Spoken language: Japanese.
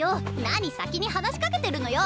何先に話しかけてるのよ！